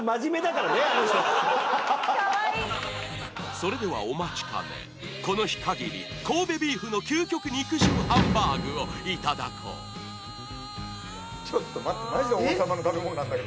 それではお待ちかねこの日限り神戸ビーフの究極肉汁ハンバーグをいただこうちょっと待ってマジで王様の食べ物なんだけど。